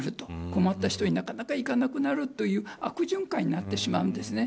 困った人になかなかいかなくなるという悪循環になってしまうんですね。